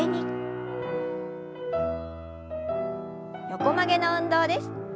横曲げの運動です。